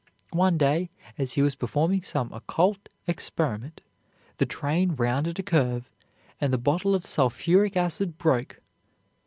One day, as he was performing some occult experiment, the train rounded a curve, and the bottle of sulphuric acid broke.